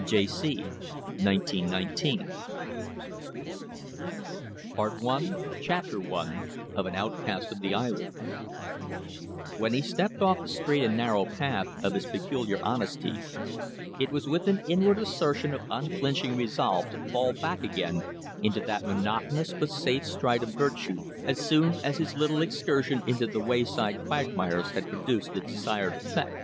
J. C. 1919. PART I AN OUTCAST OF THE ISLANDS CHAPTER ONE When he stepped off the straight and narrow path of his peculiar honesty, it was with an inward assertion of unflinching resolve to fall back again into the monotonous but safe stride of virtue as soon as his little excursion into the wayside quagmires had produced the desired effect.